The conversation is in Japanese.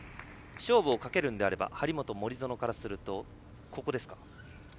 勝負をかけるのであれば張本、森薗からするとここですか。